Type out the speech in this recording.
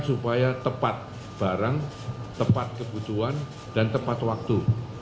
supaya tepat barang tepat kebutuhan dan tepat waktu